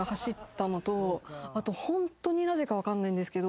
あとホントになぜか分かんないんですけど。